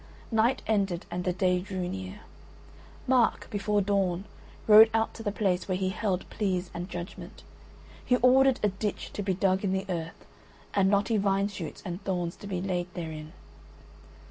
Night ended and the day drew near. Mark, before dawn, rode out to the place where he held pleas and judgment. He ordered a ditch to be dug in the earth and knotty vine shoots and thorns to be laid therein.